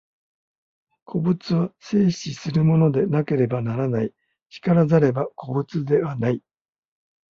個物は生死するものでなければならない、然らざれば個物ではない。